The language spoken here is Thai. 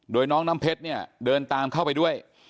โดยน้องน้ำเพชรเนี่ยเดินตามเข้าไปด้วย